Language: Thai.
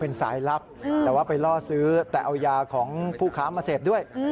เป็นสายล่อซื้อแต่มียาของผู้ขามาเสพด้วย